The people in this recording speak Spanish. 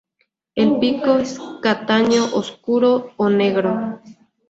El pico es castaño oscuro o negro.